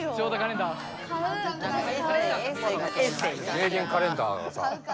名言カレンダーがさ。